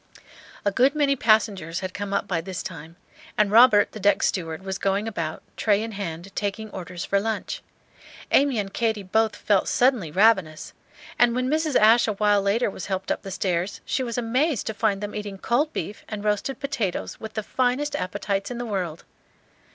A good many passengers had come up by this time; and Robert, the deck steward, was going about, tray in hand, taking orders for lunch. Amy and Katy both felt suddenly ravenous; and when Mrs. Ashe awhile later was helped up the stairs, she was amazed to find them eating cold beef and roasted potatoes, with the finest appetites in the world.